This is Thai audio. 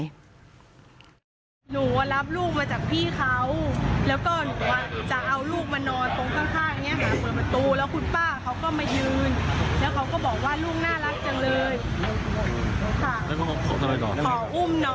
หนูว่ารับลูกมาจากพี่เขาแล้วก็หนูว่าจะเอาลูกมานอนตรงข้างข้างเนี้ย